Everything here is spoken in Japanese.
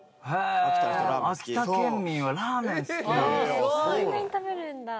秋田県民はラーメン好き。